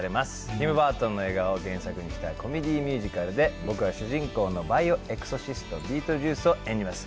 ティム・バートンの映画を原作にしたコメディーミュージカルで僕は主人公のバイオエクソシストビートルジュースを演じます。